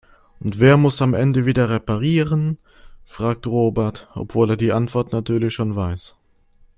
"Und wer muss es am Ende wieder reparieren?", fragt Robert, obwohl er die Antwort natürlich schon weiß.